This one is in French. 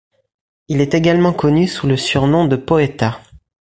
Il est également connu sous le surnom de Poeta.